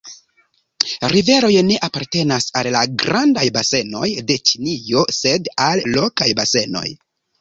Riveroj ne apartenas al la grandaj basenoj de Ĉinio, sed al lokaj basenoj.